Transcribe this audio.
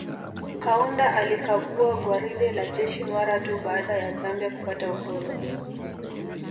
Kaunda alikagua gwaride la jeshi mara tu baada ya Zambia kupata uhuru